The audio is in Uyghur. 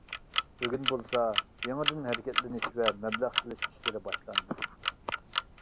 بۈگۈن بولسا، يېڭىدىن ھەرىكەتلىنىش ۋە مەبلەغ سېلىش ئىشلىرى باشلاندى.